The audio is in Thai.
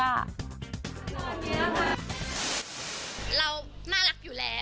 เราน่ารักอยู่แล้ว